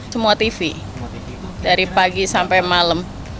semua tv dari pagi sampai malam